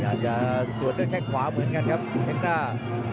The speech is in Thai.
อยากจะสวดด้วยแค่งขวาเหมือนกันครับเด็กต้าร์